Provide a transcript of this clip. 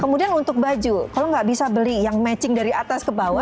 kemudian untuk baju kalau nggak bisa beli yang matching dari atas ke bawah